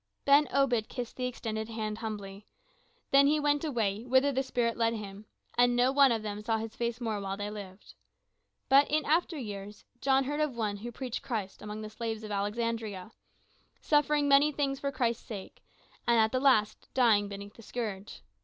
Ben Obed kissed the extended hand humbly, then he went away whither the Spirit led him, and no one of them saw his face more while they lived. But in after years John heard of one who preached Christ among the slaves of Alexandria, suffering many things for Christ's sake, and at the last dying beneath the scourge.